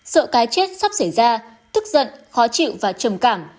sợ cái chết sắp xảy ra tức giận khó chịu và trầm cảm